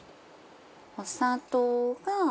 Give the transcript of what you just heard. お砂糖が。